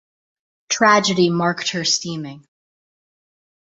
Tragedy marked her steaming.